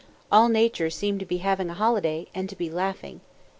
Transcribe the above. All nature seemed to be having a holiday, and to be laughing.